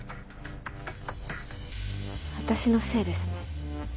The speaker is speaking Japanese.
私のせいですね。